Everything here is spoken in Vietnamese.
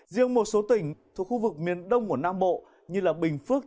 riêng một số tỉnh thuộc khu vực miền đông của nam bộ như bình phước